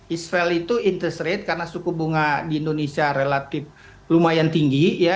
east vel itu interest rate karena suku bunga di indonesia relatif lumayan tinggi ya